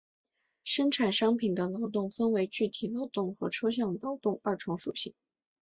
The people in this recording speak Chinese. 生产商品的劳动分为具体劳动和抽象劳动二重属性。